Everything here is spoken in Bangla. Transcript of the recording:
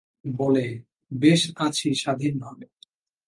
বলে, বেশ আছি স্বাধীনভাবে।